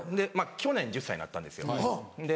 去年１０歳になったんですよで